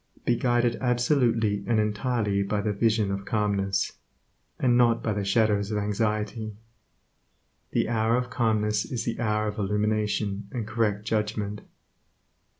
Be guided absolutely and entirely by the vision of calmness, and not by the shadows of anxiety. The hour of calmness is the hour of illumination and correct judgment.